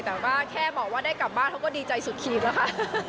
แต่ว่าแค่บอกว่าได้กลับบ้านเขาก็ดีใจสุดขีบแล้วค่ะ